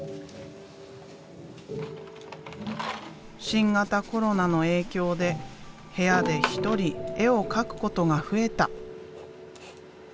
新型コロナの影響で部屋で一人絵を描くことが増えた。